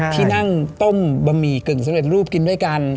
ที่นั่งต้มบะหมี่กึ่งสำเร็จรูปกินด้วยกัน